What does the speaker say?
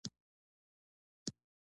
زه د تفریح لپاره پارک ته ځم.